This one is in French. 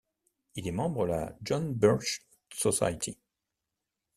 Il est membre de la John Birch Society.